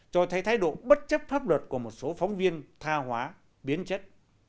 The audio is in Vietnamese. cho thấy thái độ bất chấp pháp luật của một số phóng viên tha hóa biến chất